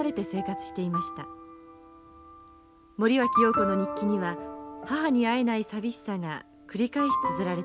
森脇瑤子の日記には母に会えない寂しさが繰り返しつづられています。